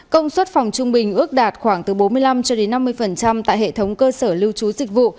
công suất phòng trung bình ước đạt khoảng từ bốn mươi năm cho đến năm mươi tại hệ thống cơ sở lưu trú dịch vụ